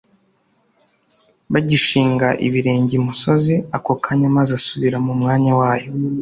bagishinga ibirenge imusozi, ako kanya amazi asubira mu mwanya wayo.